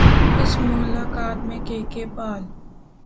اس ملاقات میں K K پال